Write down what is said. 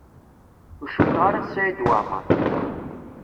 Ur cukkeɣ ara d Saɛid Waɛmaṛ.